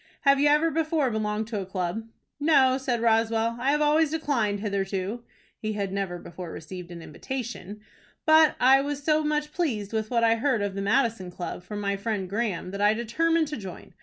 Have you ever before belonged to a club?" "No," said Roswell. "I have always declined hitherto (he had never before received an invitation) but I was so much pleased with what I heard of the Madison Club from my friend Graham, that I determined to join.